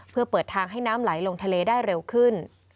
เพื่อเปิดทางให้น้ำไหลลงทะเลได้เร็วขึ้น